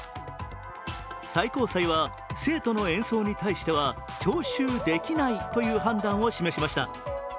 最高裁は、生徒の演奏に対しては徴収できないという判断を示しました。